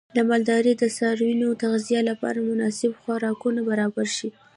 د مالدارۍ د څارویو د تغذیې لپاره مناسب خوراکونه برابر شي.